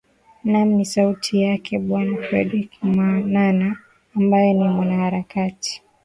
naam ni sauti yake bwana fredrick nana ambae ni mwanaharakati